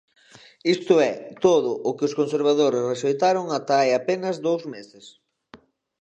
Isto é, todo o que os conservadores rexeitaron ata hai apenas dous meses.